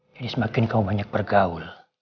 jadi semakin kamu banyak bergaul